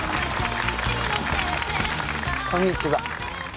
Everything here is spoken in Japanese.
こんにちは。